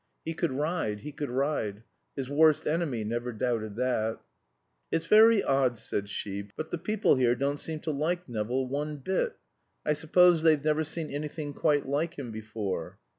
He could ride, he could ride! His worst enemy never doubted that. "It's very odd," said she, "but the people here don't seem to like Nevill one bit. I suppose they've never seen anything quite like him before."